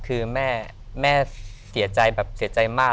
คือแม่เสียใจแบบเสียใจมาก